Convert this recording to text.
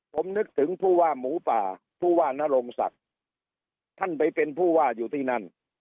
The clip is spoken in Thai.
ผมนึกถึงผู้ว่าหมูป่าผู้ว่านรงศักดิ์ท่านไปเป็นผู้ว่าอยู่ที่นั่น